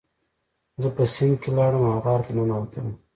زه په سیند کې لاړم او غار ته ننوتلم.